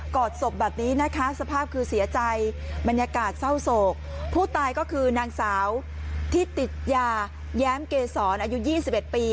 อดศพแบบนี้นะคะสภาพคือเสียใจบรรยากาศเศร้าโศกผู้ตายก็คือนางสาวที่ติดยาแย้มเกษรอายุ๒๑ปี